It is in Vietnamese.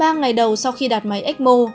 ba ngày đầu sau khi đặt máy ecmo